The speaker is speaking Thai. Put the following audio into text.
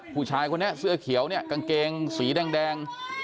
ผู้ชายคนนี้เสื้อเขียวเนี่ยกางเกงสีแดง